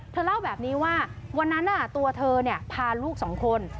เธอเล่าแบบนี้ว่าวันนั้นตัวเธอพาลูกสองคน